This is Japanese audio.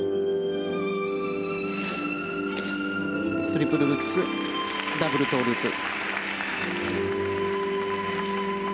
トリプルルッツダブルトウループ。